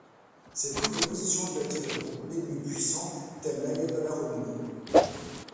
Ses prises de position lui attirèrent beaucoup d'ennemis puissants, tels l'Ayatollah Khomeini.